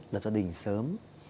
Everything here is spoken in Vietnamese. lập gia đình sớm